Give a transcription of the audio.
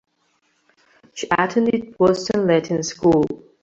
She attended Boston Latin School.